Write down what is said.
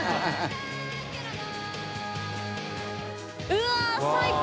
うわっ最高！